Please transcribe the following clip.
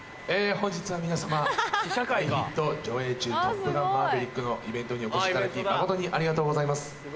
本日は皆様大ヒット上映中『トップガンマーヴェリック』のイベントにお越しいただき誠にありがとうございます。